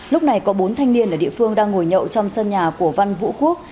lúc này có bốn thanh niên ở địa phương đang ngồi nhậu trong sân nhà của văn vũ quốc